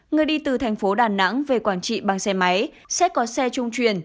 người đi từ thành phố đà nẵng về quảng trị bằng xe máy sẽ có xe trung truyền